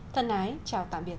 thân ái chào tạm biệt